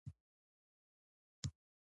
سیاسي او اقتصادي جوړښتونه هم استقرار مومي.